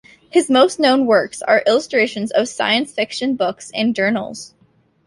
His most known works are illustrations of science fiction books and journals.